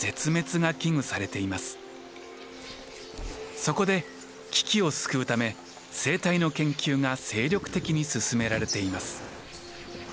そこで危機を救うため生態の研究が精力的に進められています。